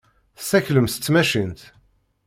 Tessaklem s tmacint.